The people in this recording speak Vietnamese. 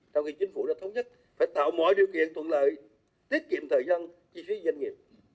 sau khi chính phủ đã thống nhất phải tạo mọi điều kiện thuận lợi tiết kiệm thời gian chi phí doanh nghiệp